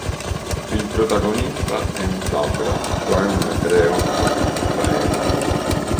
Il protagonista è un "Sabra", cioè un ebreo nato in Israele.